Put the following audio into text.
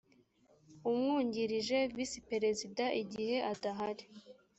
umwungirije visi perezida igihe adahari